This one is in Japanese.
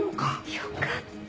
よかった。